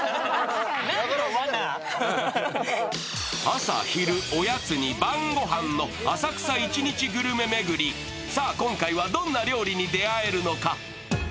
朝、昼、おやつに晩ご飯の浅草一日グルメ巡り、今回はどんな料理に出会えるのか。